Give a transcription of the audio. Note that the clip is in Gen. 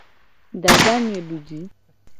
Dadanye duji.